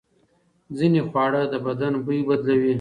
ځینې خواړه د بدن بوی بدلوي.